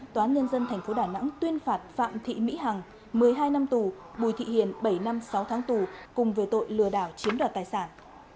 tòa án nhân dân tp đà nẵng tuyên phạt phạm thị mỹ hằng một mươi hai năm tù bùi thị hiền bảy năm sáu tháng tù cùng về tội lừa đảo chiếm đoạt tài sản